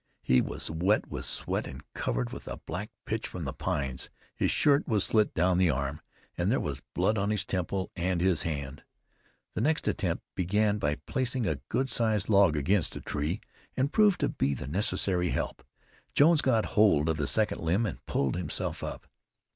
He was wet with sweat and covered with the black pitch from the pines; his shirt was slit down the arm, and there was blood on his temple and his hand. The next attempt began by placing a good sized log against the tree, and proved to be the necessary help. Jones got hold of the second limb and pulled himself up.